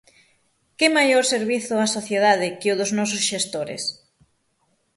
Que maior servizo á sociedade que o dos nosos xestores?